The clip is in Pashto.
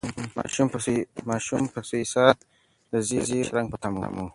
ماشوم په سوې ساه د زېري د شرنګ په تمه و.